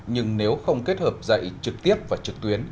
nhưng nếu không kết hợp dạy trực tiếp và trực tuyến